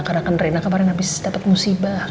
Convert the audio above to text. karena kan rena kemarin abis dapet musibah